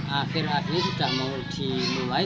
akhir akhir sudah mau dimulai